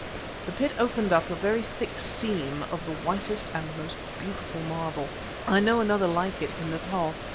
The pit opened up a very thick seam of the whitest and most beautiful marble. I know another like it in Natal.